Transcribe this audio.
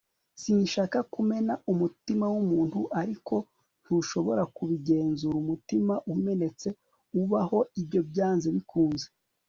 sinshaka kumena umutima w'umuntu, ariko ntushobora kubigenzura umutima umenetse ubaho; ibyo byanze bikunze